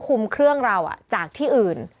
คุมเครื่องเราจากที่อื่น